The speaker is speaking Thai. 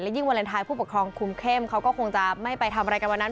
ยิ่งวาเลนไทยผู้ปกครองคุมเข้มเขาก็คงจะไม่ไปทำอะไรกันวันนั้น